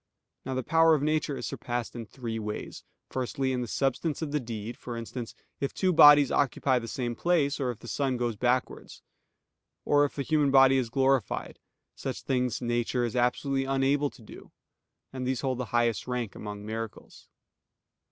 Now the power of nature is surpassed in three ways: firstly, in the substance of the deed, for instance, if two bodies occupy the same place, or if the sun goes backwards; or if a human body is glorified: such things nature is absolutely unable to do; and these hold the highest rank among miracles.